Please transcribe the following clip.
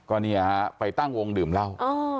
ก็เนี่ยฮะไปตั้งวงดื่มเหล้า